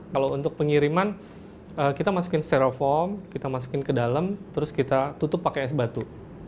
kalau untuk pengiriman kita masukin steroform kita masukin ke dalam terus kita tutup pakai es batu